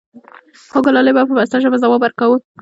خوګلالۍ به په پسته ژبه ځواب وركا و :